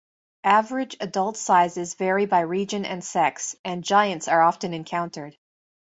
Average adult sizes vary by region and sex, and 'giants' are often encountered.